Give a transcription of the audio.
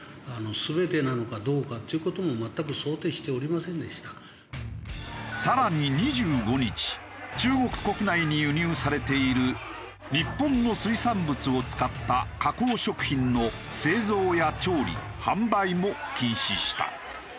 まあ一番わかるのは更に２５日中国国内に輸入されている日本の水産物を使った加工食品の製造や調理販売も禁止した。